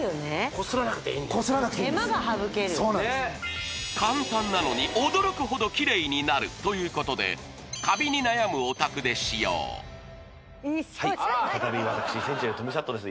こすらなくていいんだこすらなくていいんです手間が省ける簡単なのに驚くほどキレイになるということでカビに悩むお宅で使用はい再び私センチネルトミサットです